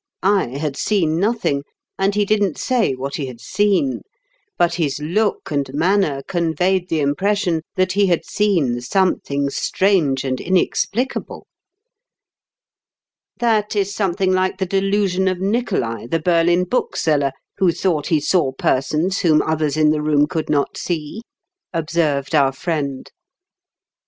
I had seen nothing, and he didn't say what he had seen ; but his look and manner conveyed the impression that he had seen something strange , and inexplicable." " That is something like the delusion of Nicolai, the Berlin bookseller, who thought he saw persons whom others in the room could not see," observed our friend.